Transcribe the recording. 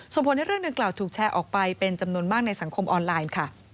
ผลให้เรื่องดังกล่าวถูกแชร์ออกไปเป็นจำนวนมากในสังคมออนไลน์ค่ะ